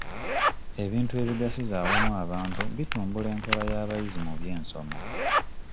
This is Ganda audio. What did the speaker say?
Ebintu ebigasiza awamu abantu bitumbula enkola y'abayizi mu by'ensoma.